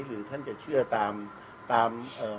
หรือท่านจะเชื่อตามพญาหลักฐานที่เรามี